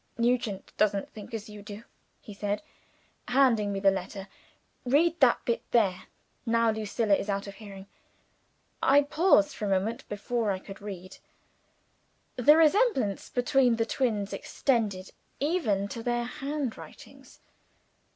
"Nugent doesn't think as you do," he said, handing me the letter. "Read that bit there now Lucilla is out of hearing." I paused for a moment before I could read. The resemblance between the twins extended even to their handwritings!